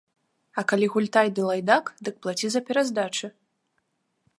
А калі гультай ды лайдак, дык плаці за пераздачы.